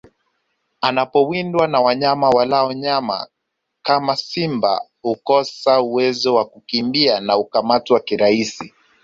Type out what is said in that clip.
Anapowindwa na wanyama walao nyama kama simba hukosa uwezo wa kukimbia na hukamatwa kirahisi